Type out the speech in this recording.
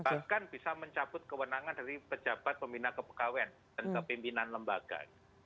bahkan bisa mencabut kewenangan dari pejabat pembina kepekawean dan kepimpinan lembaga